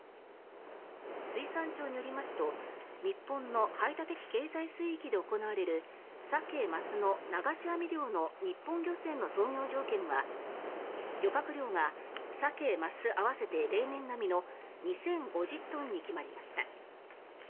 水産庁によりますと日本の排他的経済水域で行われるサケ・マスの流し網漁の日本漁船の操業条件は漁獲量がサケ・マス合わせて、例年並みの２０５０トンに決まりました。